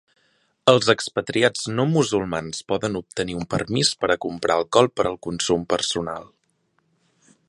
Els expatriats no musulmans poden obtenir un permís per a comprar alcohol per al consum personal.